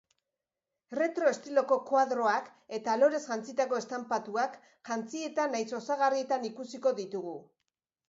Retro estiloko koadroak eta lorez jantzitako estanpatuak jantzietan nahiz osagarrietan ikusiko ditugu.